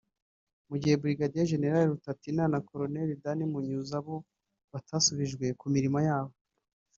mu gihe Brigadier Gen Rutatina na Colonel Dan Munyuza bo batasubijwe ku mirimo yabo